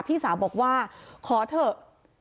พี่สาวบอกว่าขอเถอะ